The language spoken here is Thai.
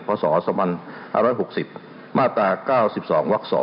พศ๑๖๐มาตร๙๒ว๒